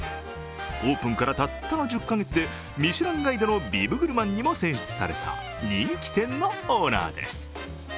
オープンからたったの１０か月でミシュランガイドのビブグルマンにも選出された人気店のオーナーです。